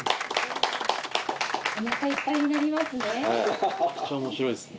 お腹いっぱいになりますね。